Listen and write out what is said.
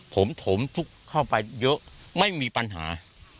ผมถมทุกเข้าไปเยอะไม่มีปัญหา